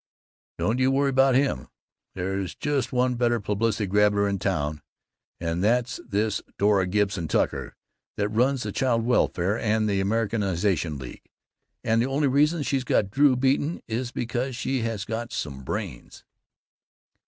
Don't you worry about him. There's just one better publicity grabber in town, and that's this Dora Gibson Tucker that runs the Child Welfare and the Americanization League, and the only reason she's got Drew beaten is because she has got some brains!"